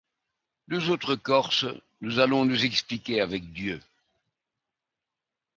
Nous autres Corses, nous allons nous expliquer avec Dieu.